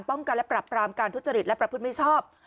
กันและปรับปรามการทุจริตและประพฤติมิชชอบ